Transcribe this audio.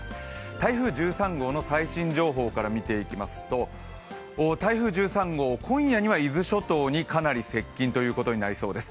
台風１３号の最新情報から見ていきますと台風１３号、今夜には伊豆諸島にかなり接近ということになりそうです。